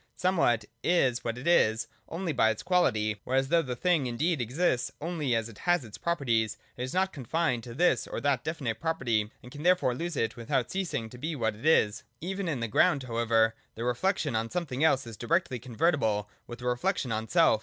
Somewhat is what it is 234 THE DOCTRINE OF ESSENCE. [125, i2(5. only by its quality : whereas, though the thing indeed exists only as it has its properties, it is not confined to this or that definite property, and can therefore lose it, without ceasing to be what it is. 126.] (0) Even in the ground, however, the reflection on something else is directly convertible with reflection on self.